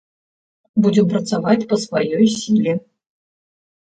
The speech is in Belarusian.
Будзем працаваць па сваёй сіле.